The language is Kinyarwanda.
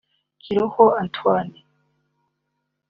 Kiroha Antoine